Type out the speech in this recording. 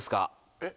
・えっ？